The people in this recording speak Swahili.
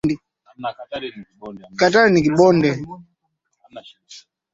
Walimu ni watu wazuri katika ulimwengu